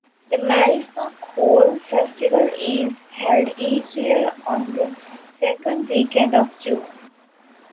The Marissa Coal Festival is held each year on the second weekend of June.